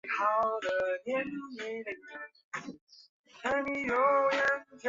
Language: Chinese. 达拉斯圣殿是得克萨斯州和美国中南部首座耶稣基督后期圣徒教会圣殿。